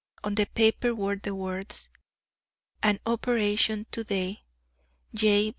On the paper were the words "An operation to day. J.